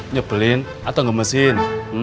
nyebelin atau ngemesin